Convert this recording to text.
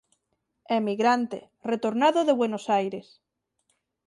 Emigrante retornado de Buenos Aires.